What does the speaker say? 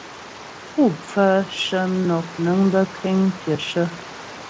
Pú pfaə shə mnɔk nəŋ bə́ kéŋ pyəshə.